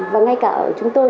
và ngay cả ở chúng tôi